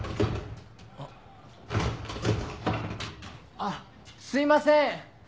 あっすいません！